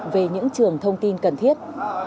về những trường thông tin cần thiết